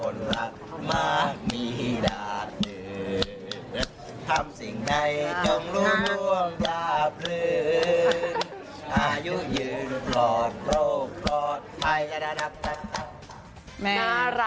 น่ารักอ่ะเชิญนี้